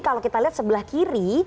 kalau kita lihat sebelah kiri